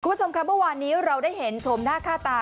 คุณผู้ชมค่ะเมื่อวานนี้เราได้เห็นชมหน้าค่าตา